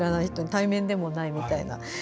対面でもないみたいな。